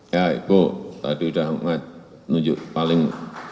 ya ibu tadi sudah menunjuk paling